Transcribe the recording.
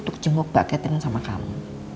untuk jenguk mbak catherine sama kamu